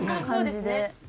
そうですね。